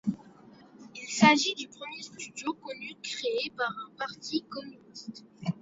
Il s'agit du premier studio connu créé par un parti communiste.